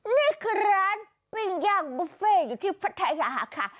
นี่คือร้านปิ้งย่างบุฟเฟ่อยู่ที่พัทยาค่ะ